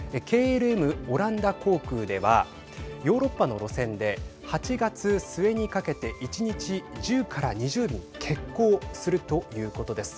ＫＬＭ、オランダ航空ではヨーロッパの路線で８月末にかけて１日１０から２０便欠航するということです。